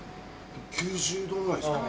９０度ぐらいですかね？